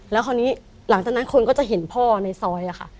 แล้วคราวนี้หลังจากนั้นคนก็จะเห็นพ่อในซอยค่ะ